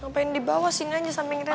ngapain di bawah sih nanya sampe ngeri reva